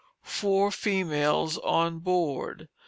FOUR FEMALES ON BOARD.